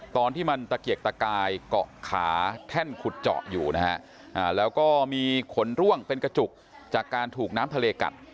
ตอนที่มันตะเกียกตะกายเกาะขาแท่นขุดเจาะอยู่นะฮะแล้วก็มีขนร่วงเป็นกระจุกจากการถูกน้ำทะเลกัด